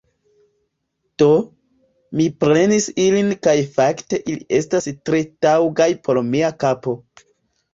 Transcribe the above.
Do, mi prenis ilin kaj fakte ili estas tre taŭgaj por mia kapo